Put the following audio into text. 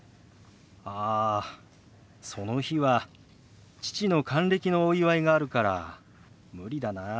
ああその日は父の還暦のお祝いがあるから無理だな。